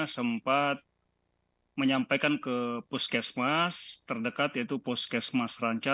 saya menyampaikan ke puskesmas terdekat yaitu puskesmas ranca